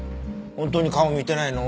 本当に顔見てないの？